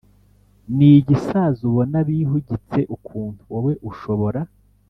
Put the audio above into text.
nigisaza ubona bihugitse ukuntu, wowe ushobora